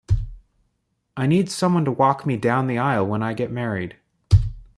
I need someone to walk me down the aisle when I get married.